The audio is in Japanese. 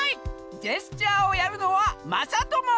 ジェスチャーをやるのはまさとも！